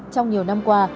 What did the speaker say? trong nhiều năm qua